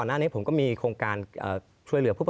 สนุนโดยอีซุสุข